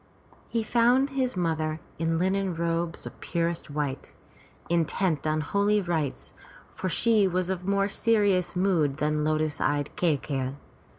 He found his mother in linen robes of purest white, intent on holy rites, for she was of more serious mood than lotus eyed Kai key'i.